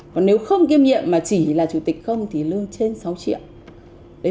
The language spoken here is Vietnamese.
còn nếu không kiêm nhiệm mà chỉ là chủ tịch không thì lương trên sáu triệu